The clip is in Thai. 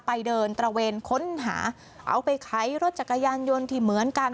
เดินตระเวนค้นหาเอาไปไขรถจักรยานยนต์ที่เหมือนกัน